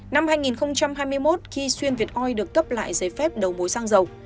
năm hai nghìn hai mươi một khi xuyên việt oi được cấp lại giấy phép đầu mối xăng dầu